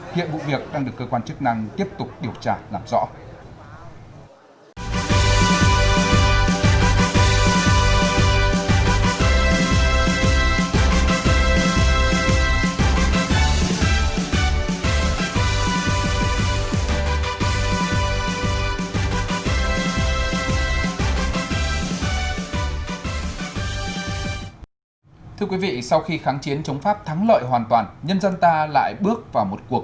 hiện vụ việc đang được cơ quan chức năng tiếp tục điều tra làm rõ